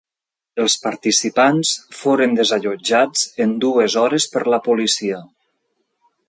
Els participants foren desallotjats en dues hores per la policia.